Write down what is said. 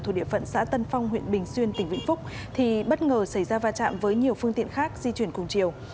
thuộc địa phận xã tân phong huyện bình xuyên tỉnh vĩnh phúc thì bất ngờ xảy ra va chạm với nhiều phương tiện khác di chuyển cùng chiều